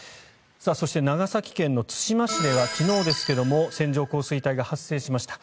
そして、長崎県対馬市では昨日ですが線状降水帯が発生しました。